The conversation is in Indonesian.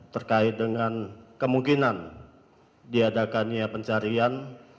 terkait dengan kemungkinan diadakannya pencarian